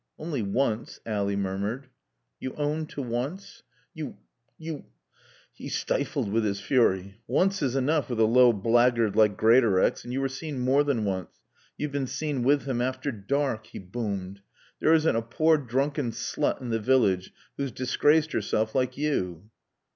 "Only once," Ally murmured. "You own to 'once'? You you " he stifled with his fury. "Once is enough with a low blackguard like Greatorex. And you were seen more than once. You've been seen with him after dark." He boomed. "There isn't a poor drunken slut in the village who's disgraced herself like you."